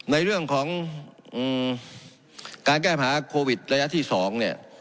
ในเรื่องของการแก้ผ่าโควิดระยะที่๒เนี่ย